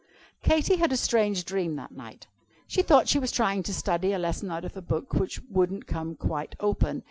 Katy had a strange dream that night. She thought she was trying to study a lesson out of a book which wouldn't come quite open.